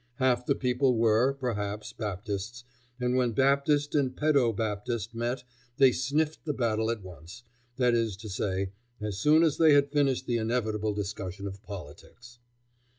Half the people were, perhaps, Baptists, and when Baptist and pedo Baptist met they sniffed the battle at once, that is to say, as soon as they had finished the inevitable discussion of politics.